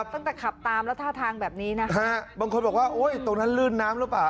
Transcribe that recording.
ตั้งแต่ขับตามแล้วท่าทางแบบนี้นะบางคนบอกว่าตรงนั้นลื่นน้ำรึปะ